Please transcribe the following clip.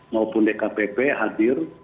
maupun dkpp hadir